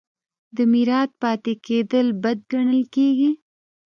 د میرات پاتې کیدل بد ګڼل کیږي.